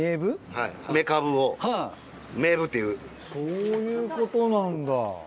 そういうことなんだ。